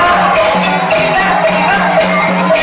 ก็เห็นอย่างนั้นอีกน้อง